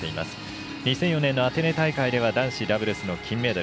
２００４年のアテネ大会では男子ダブルスの金メダル。